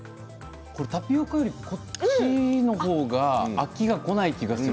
タピオカよりこっちの方が飽きがこない気がする。